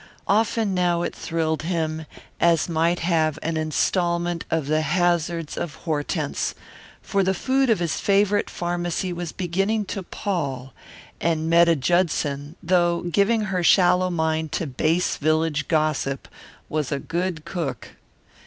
Often now it thrilled him as might have an installment of The Hazards of Hortense, for the food of his favourite pharmacy was beginning to pall and Metta Judson, though giving her shallow mind to base village gossip, was a good cook.